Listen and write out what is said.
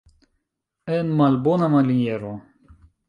En malbona maniero.